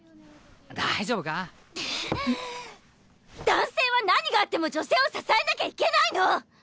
男性は何があっても女性を支えなきゃいけないの！